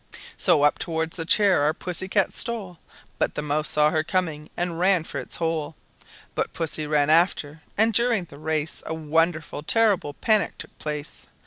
So up toward the chair our Pussy cat stole, But the mouse saw her coming and ran for its hole; But Pussy ran after, and during the race A wonderful, terrible panic took place!